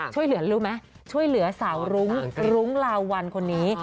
ช่วยเหลือรู้ไหมช่วยเหลือสาวรุ้งรุ้งลาวัลคนนี้